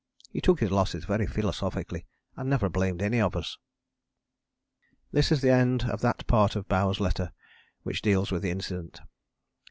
He took his losses very philosophically and never blamed any of us." This is the end of that part of Bowers' letter which deals with the incident.